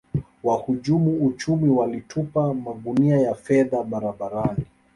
wahujumu uchumi walitupa magunia ya fedha barabarani